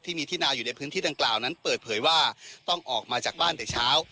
ที่มีที่นาอยู่ในพื้นที่ดังกล่าวนั้นเปิดเผยว่าต้องออกมาจากบ้านแต่เช้า